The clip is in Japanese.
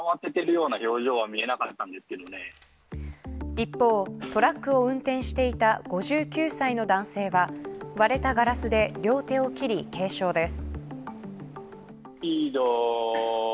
一方、トラックを運転していた５９歳の男性は割れたガラスで両手を切り軽傷です。